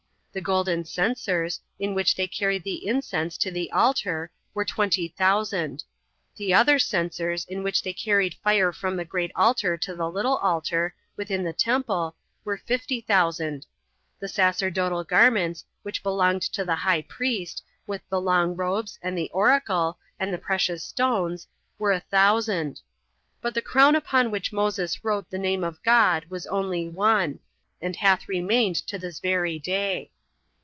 The golden censers, in which they carried the incense to the altar, were twenty thousand; the other censers, in which they carried fire from the great altar to the little altar, within the temple, were fifty thousand. The sacerdotal garments which belonged to the high priest, with the long robes, and the oracle, and the precious stones, were a thousand. But the crown upon which Moses wrote [the name of God] was only one, and hath remained to this very day.